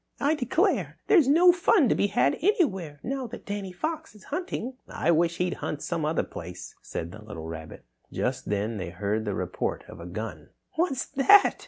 "I declare, there's no fun to be had anywhere now that Danny Fox is hunting." "I wish he'd hunt some other place," said the little rabbit. Just then they heard the report of a gun. "What's that?"